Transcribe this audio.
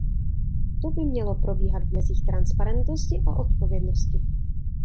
To by mělo probíhat v mezích transparentnosti a odpovědnosti.